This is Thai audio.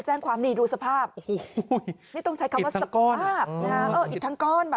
อ้อฟ้าอ้อฟ้าอ้อฟ้าอ้อฟ้าอ้อฟ้า